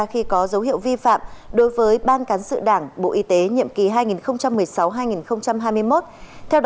khi có dấu hiệu vi phạm đối với ban cán sự đảng bộ y tế